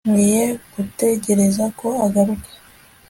nkwiye gutegereza ko agaruka